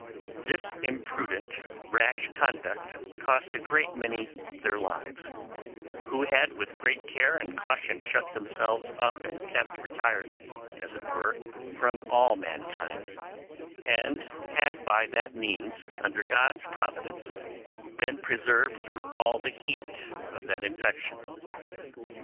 This imprudent, rash conduct cost a great many their lives who had with great care and caution shut themselves up and kept retired, as it were, from all mankind, and had by that means, under God's providence, been preserved through all the heat of that infection.